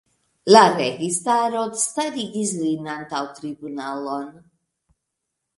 La registaro starigis lin antaŭ tribunalon.